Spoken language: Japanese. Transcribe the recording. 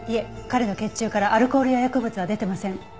彼の血中からアルコールや薬物は出てません。